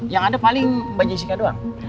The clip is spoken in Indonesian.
yang ada paling mbak jessica doang